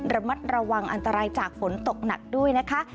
ระมัดระวังอันตรายจากฝนตกหนักด้วยนะคะ